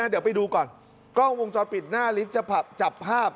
เดี๋ยวไปดูก่อนกล้องวงจรปิดหน้าลิฟต์จะจับภาพ